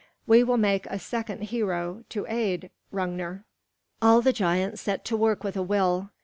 We will make a second hero to aid Hrungnir." All the giants set to work with a will.